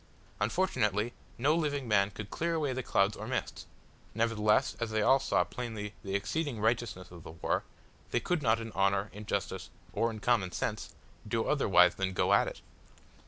Unfortunately no living man could clear away the clouds or mists; nevertheless, as they all saw plainly the exceeding righteousness of the war, they could not in honour, in justice, or in common sense, do otherwise than go at it.